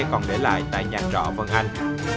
còn để lại tại nhà trọ vân anh